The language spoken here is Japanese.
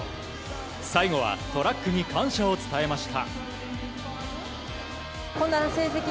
最後はトラックに感謝を伝えました。